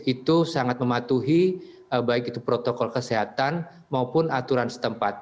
itu sangat mematuhi baik itu protokol kesehatan maupun aturan setempat